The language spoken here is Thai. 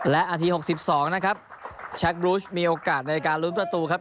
และนาที๖๒นะครับแชคบรูชมีโอกาสในการลุ้นประตูครับ